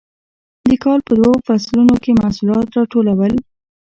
د کال په دوو فصلونو کې محصولات راټولول.